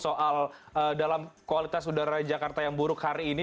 soal dalam kualitas udara jakarta yang buruk hari ini